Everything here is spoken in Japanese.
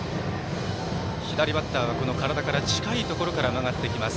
左バッターは体から近いところから曲がってきます。